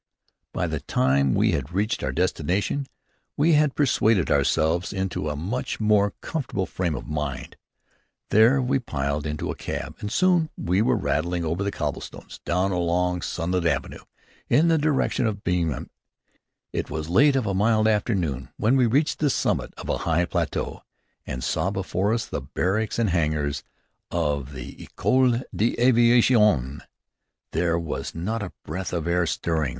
By the time we had reached our destination we had persuaded ourselves into a much more comfortable frame of mind. There we piled into a cab, and soon we were rattling over the cobblestones, down a long, sunlit avenue in the direction of B . It was late of a mild afternoon when we reached the summit of a high plateau and saw before us the barracks and hangars of the École d'Aviation. There was not a breath of air stirring.